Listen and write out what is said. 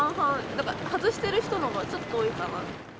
だから外してる人のほうがちょっと多いかな。